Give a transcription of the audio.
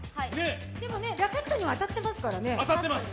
でもね、ラケットには当たってますからね。